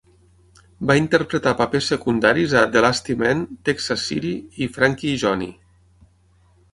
Va interpretar papers secundaris a "The Lusty Men", "Texas City" i "Frankie i Johnny".